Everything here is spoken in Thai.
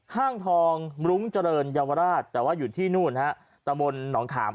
ห้างทองรุ้งเจริญเยาวราชแต่ว่าอยู่ที่นู่นฮะตะบนหนองขาม